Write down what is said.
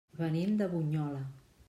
Venim de Bunyola.